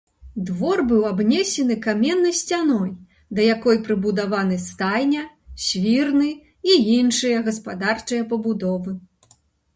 Двор быў абнесены каменнай сцяной, да якой прыбудаваны стайня, свірны і іншыя гаспадарчыя пабудовы.